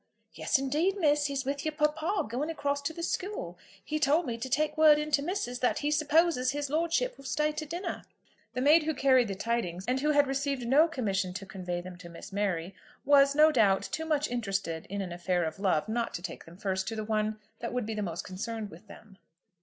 "Yes, indeed, Miss! He's with your papa, going across to the school. He told me to take word in to Missus that he supposes his lordship will stay to dinner." The maid who carried the tidings, and who had received no commission to convey them to Miss Mary, was, no doubt, too much interested in an affair of love, not to take them first to the one that would be most concerned with them.